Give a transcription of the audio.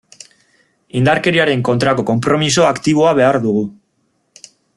Indarkeriaren kontrako konpromiso aktiboa behar dugu.